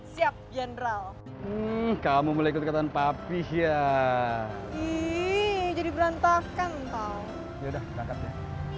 sampai jumpa di video selanjutnya